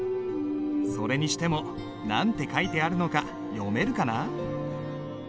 それにしても何て書いてあるのか読めるかな？